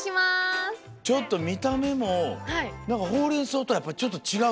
ちょっとみためもほうれんそうとはやっぱりちょっとちがうよね。